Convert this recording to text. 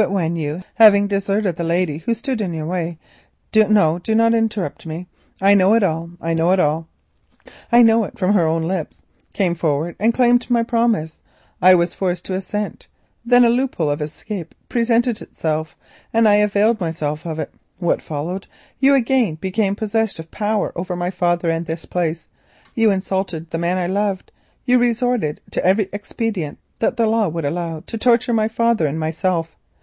But when you, having deserted the lady who stood in your way—no, do not interrupt me, I know it, I know it all, I know it from her own lips—came forward and claimed my promise, I was forced to consent. But a loophole of escape presented itself and I availed myself of it. What followed? You again became possessed of power over my father and this place, you insulted the man I loved, you resorted to every expedient that the law would allow to torture my father and myself.